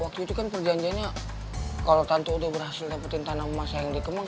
waktu itu kan perjanjiannya kalau tante udah berhasil dapetin tanah emas yang di kemang